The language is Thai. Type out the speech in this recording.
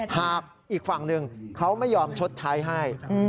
หากอีกฝั่งหนึ่งเขาไม่ยอมชดใช้ให้